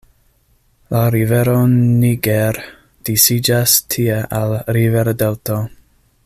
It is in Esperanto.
La rivero Niger disiĝas tie al riverdelto.